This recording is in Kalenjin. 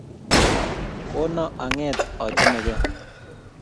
Kona ang’eet achamege